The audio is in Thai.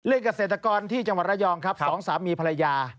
เกษตรกรที่จังหวัดระยองครับสองสามีภรรยา